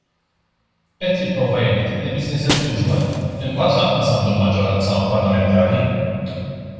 Qed jipprova jgħid li business as usual imbagħad lanqas għandu l-maġġoranza parlamentari.